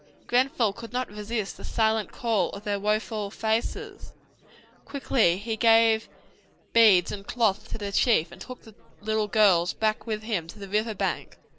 Grenfell could not resist the silent call of their woeful faces. Quickly he gave beads and cloth to the chief, and took the little girls back with him down to the river bank.